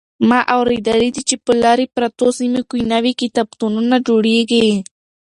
ما اورېدلي دي چې په لرې پرتو سیمو کې نوي کتابتونونه جوړېږي.